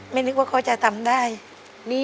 นึกว่าเขาจะทำได้